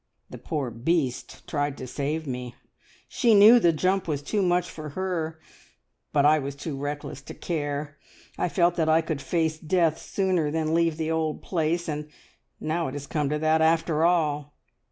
The poor beast tried to save me, she knew the jump was too much for her, but I was too reckless to care. I felt that I could face death sooner than leave the old place, and now it has come to that after all.